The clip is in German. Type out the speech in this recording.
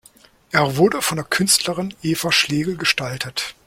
Er wurde von der Künstlerin Eva Schlegel gestaltet.